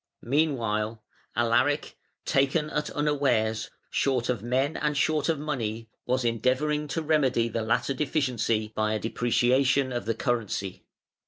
Meanwhile, Alaric, taken at unawares, short of men and short of money, was endeavouring to remedy the latter deficiency by a depreciation of the currency.